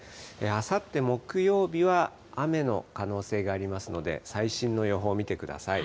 あさって木曜日は雨の可能性がありますので、最新の予報見てください。